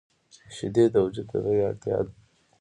شیدې د وجود طبیعي اړتیا ده